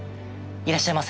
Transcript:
いらっしゃいませ。